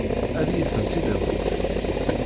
Ad iyi-tent-id-awint?